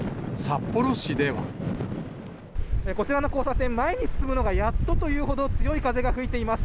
こちらの交差点、前に進むのがやっとというほど強い風が吹いています。